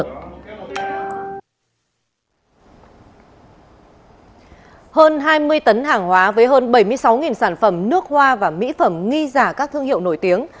hơn hai mươi tấn hàng hóa với hơn bảy mươi sáu sản phẩm nước hoa và mỹ phẩm nghi giả các thương hiệu nổi tiếng